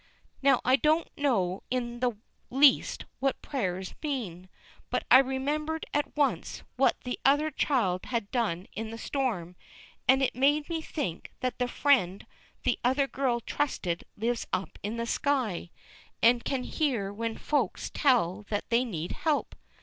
Now I don't know in the least what "prayers" mean, but I remembered at once what that other child had done in the storm, and it made me think that the Friend the other little girl trusted lives up in the sky, and can hear when Folks tell that they need help.